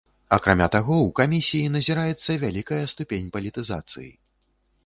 Акрамя таго, у камісіі назіраецца вялікая ступень палітызацыі.